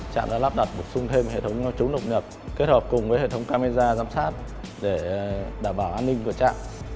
trong năm hai nghìn hai mươi hai trạm đã lắp đặt bổ sung thêm hệ thống chống động nhập kết hợp cùng với hệ thống camera giám sát để đảm bảo an ninh của trạm